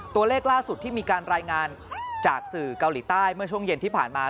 ตัวเลขล่าสุดที่มีการรายงานจากสื่อเกาหลีใต้เมื่อช่วงเย็นที่ผ่านมา